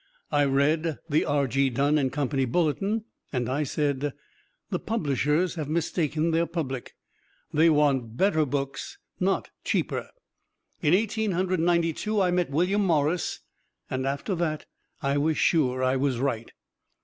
I read the R.G. Dun & Company bulletin and I said, "The publishers have mistaken their public we want better books, not cheaper." In Eighteen Hundred Ninety two, I met William Morris, and after that I was sure I was right.